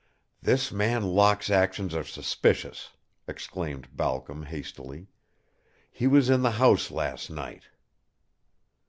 "This man Locke's actions are suspicious," exclaimed Balcom, hastily. "He was in the house last night."